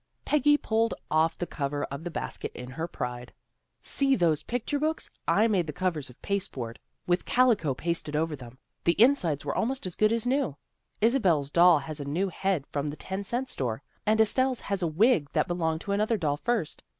Peggy pulled off the cover of the basket in her pride. " See those picture books! I made the covers of paste board, with calico pasted 206 THE GIRLS OF FRIENDLY TERRACE over them. The insides were almost as good as new. Isabel's doll has a new head from the ten cent store, and Estelle's has a wig that be longed to another doll first.